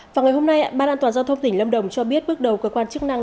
vào ngày hôm nay ban an toàn giao thông tỉnh lâm đồng cho biết bước đầu cơ quan chức năng